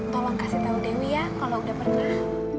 tolong kasih tau dewi ya kalo udah pernah